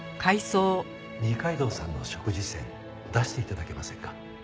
二階堂さんの食事箋出して頂けませんか？